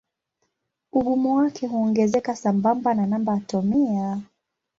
Ugumu wake huongezeka sambamba na namba atomia.